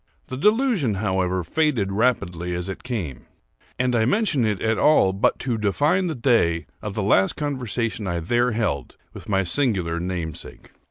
The delusion, however, faded rapidly as it came; and I mention it at all but to define the day of the last conversation I there held with my singular namesake.